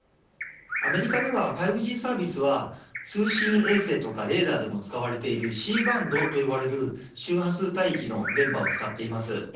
アメリカでは５Ｇサービスは通信衛星とかレーザーでも使われているＣバンドと呼ばれる周波数帯域の電波を使っています。